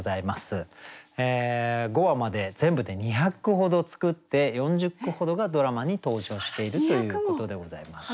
５話まで全部で２００句ほど作って４０句ほどがドラマに登場しているということでございます。